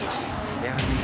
江原先生。